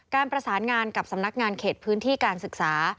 การประสานงานกับสำนักงานเขตพื้นที่การศึกษา